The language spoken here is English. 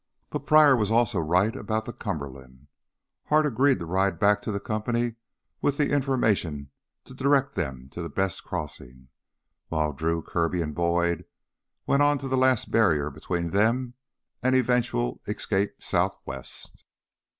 But Pryor was also right about the Cumberland. Hart agreed to ride back to the company with the information to direct them to the best crossing. While Drew, Kirby, and Boyd went on to the last barrier between them and eventual escape southwest.